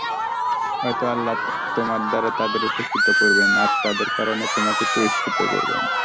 হয়তো আল্লাহ তোমার দ্বারা তাদের উপকৃত করবেন আর তাদের কারণে তোমাকে পুরস্কৃত করবেন।